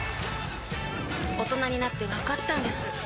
大人になってわかったんです